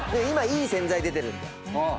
今いい洗剤出てるんで。